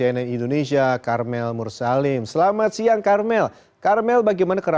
tahun ini indonesia international motor show atau iems digelar di jxpo kemayoran jakarta pusat